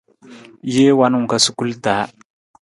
Jee wanung ka sukul taa.